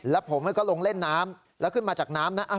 แล้วผมก็ลงเล่นน้ำแล้วขึ้นมาจากน้ำนะ